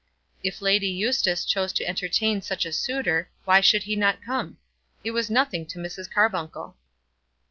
If Lady Eustace chose to entertain such a suitor, why should he not come? It was nothing to Mrs. Carbuncle.